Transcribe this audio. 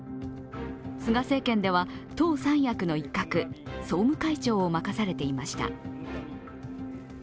菅政権では党三役の一角総務会長を任されていました。